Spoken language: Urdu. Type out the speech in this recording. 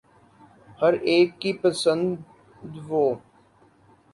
ہر ایک کی پسند و